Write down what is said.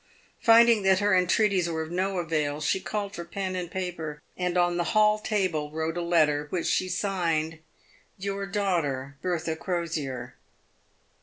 Finding that her entreaties were of no avail, she called for pen and paper, and on the hall table wrote a letter, which she signed " Your daughter — Bertha Crosier."